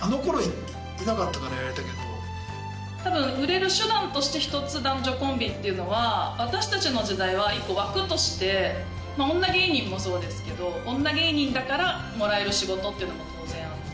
多分売れる手段として１つ男女コンビっていうのは私たちの時代は１個枠として女芸人もそうですけど女芸人だからもらえる仕事っていうのも当然あって。